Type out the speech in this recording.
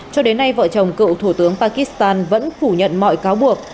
cho đến nay vợ chồng cựu thủ tướng pakistan vẫn phủ nhận mọi cáo buộc